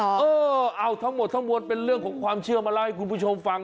เออเอาทั้งหมดทั้งมวลเป็นเรื่องของความเชื่อมาเล่าให้คุณผู้ชมฟัง